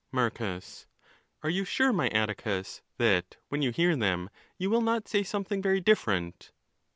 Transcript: Marcus.—Are you sure, my Atticus, that when you hear them, you will not say something very different